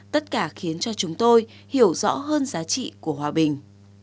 tất cả khiến cho chúng tôi hiểu rõ hơn giá trị của hòa bình